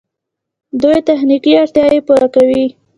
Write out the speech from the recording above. دوی تخنیکي اړتیاوې پوره کوي.